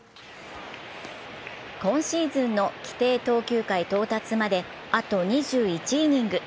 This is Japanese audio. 今シーズンの規定投球回到達まであと２１イニング。